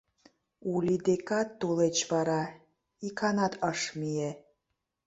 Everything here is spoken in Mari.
Ули декат тулеч вара иканат ыш мие.